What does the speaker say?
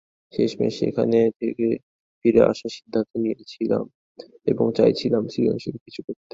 শেষমেশ সেখান থেকে ফিরে আসার সিদ্ধান্ত নিয়েছিলাম এবং চাইছিলাম সৃজনশীল কিছু করতে।